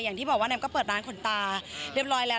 อย่างที่บอกว่าแมมก็เปิดร้านขนตาเรียบร้อยแล้ว